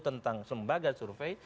tentang sebagian dari lembaga survey